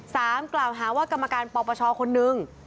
กล่าวหาว่ากรรมการปปชคนนึง